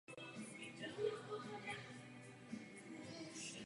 Nicméně ani Ludvík neměl syna.